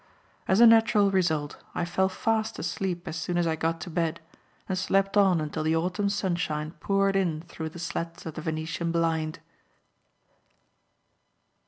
As a natural result, I fell fast asleep as soon as I got to bed and slept on until the autumn sunshine poured in through the slats of the Venetian blind.